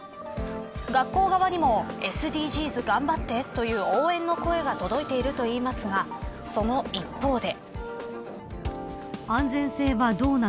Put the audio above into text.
学校側にもＳＤＧｓ頑張ってという応援の声が届いているといいますがその一方で。